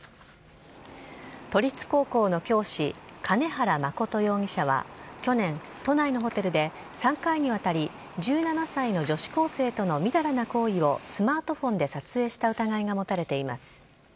都立高校の教師兼原真容疑者は去年、都内のホテルで３回にわたり１７歳の女子高生とのみだらな行為をスマートフォンで撮影した疑いが持たれています。